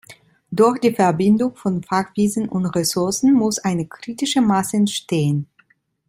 Durch die Verbindung von Fachwissen und Ressourcen muss eine kritische Masse entstehen.